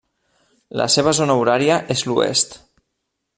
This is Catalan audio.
La seva zona horària és l'Oest.